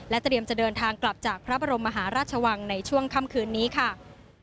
เตรียมจะเดินทางกลับจากพระบรมมหาราชวังในช่วงค่ำคืนนี้ค่ะ